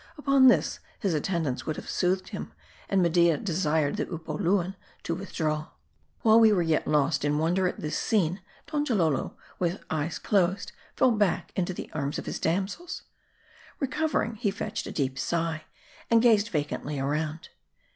Upon this, his attendants would have soothed him ; and Media desired the Upoluan to withdraw. While we were yet lost in wonder at this scene, .Donja lolo, with eyes closed, fell back into the arms of his dam sels. Recovering, he fetched a deep sigh, and gazed vacantly around.